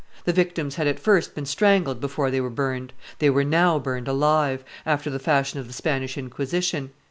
The victims had at first been strangled before they were burned; they were now burned alive, after the fashion of the Spanish Inquisition.